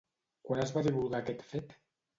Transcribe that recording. Quan es va divulgar aquest fet?